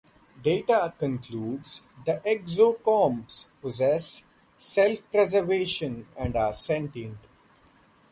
Data concludes the Exocomps possess self-preservation and are sentient.